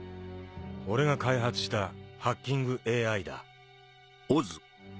俺が開発したハッキングＡＩだ。